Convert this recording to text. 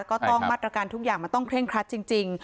ก็ต้องมาตรการทุกอย่างมันต้องเคร่งครัดจริง